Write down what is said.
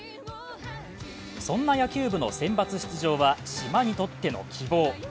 そんな野球部のセンバツ出場は島にとっての希望。